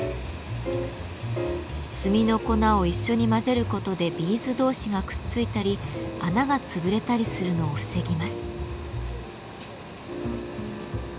炭の粉を一緒に混ぜることでビーズ同士がくっついたり穴が潰れたりするのを防ぎます。